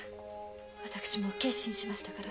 私もう決心しましたから。